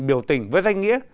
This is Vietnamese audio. biểu tình với danh nghĩa